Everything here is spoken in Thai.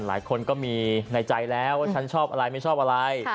หลายคนก็มีในใจแล้วว่าฉันชอบอะไรไม่ชอบอะไร